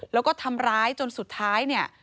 แล้วก็ทำร้ายจนสุดท้ายเนี่ย